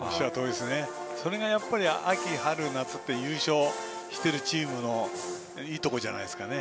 それが秋、春、夏と優勝しているチームのいいところじゃないですかね。